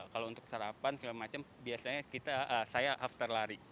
kalau untuk sarapan segala macam biasanya saya after lari